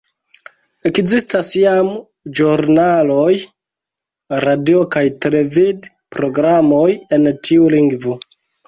Ekzistas jam ĵurnaloj, radio‑ kaj televid‑programoj en tiu lingvo.